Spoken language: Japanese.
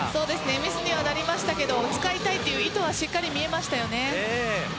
ミスにはなりましたが使いたいという意図は見えましたよね。